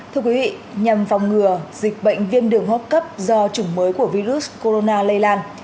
thưa quý vị nhằm phòng ngừa dịch bệnh viên đường hốt cấp do chủng mới của virus corona lây lan